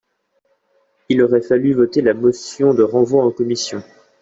Il aurait fallu voter la motion de renvoi en commission.